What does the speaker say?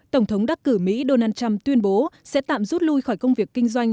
tổng thống đắc cử mỹ donald trump tuyên bố sẽ tạm rút lui khỏi công việc kinh doanh